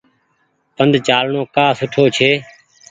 پند جآڻو ڪآ سُٺو ڇي۔